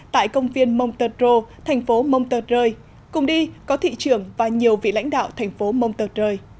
tại công viên montreux thành phố montreux cùng đi có thị trưởng và nhiều vị lãnh đạo thành phố montreux